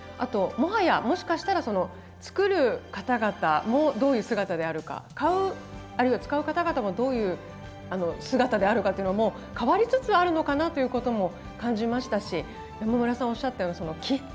もはやもしかしたらその作る方々もどういう姿であるか買うあるいは使う方々もどういう姿であるかというのも変わりつつあるのかなということも感じましたし山村さんおっしゃったようにその「気」。